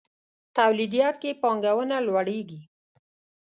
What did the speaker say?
توليديت کې پانګونه لوړېږي.